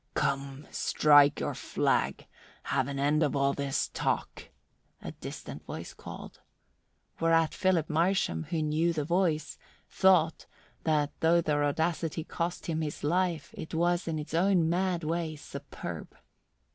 "Come, strike your flag. Have an end of all this talk," a distant voice called. Whereat Philip Marsham, who knew the voice, thought that though their audacity cost him his life it was in its own mad way superb.